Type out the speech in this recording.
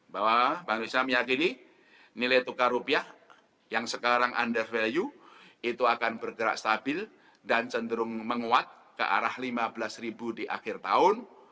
bahwa bank indonesia meyakini nilai tukar rupiah yang sekarang under value itu akan bergerak stabil dan cenderung menguat ke arah lima belas ribu di akhir tahun